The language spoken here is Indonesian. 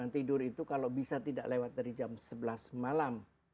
tidur itu kalau bisa tidak lewat dari jam sebelas malam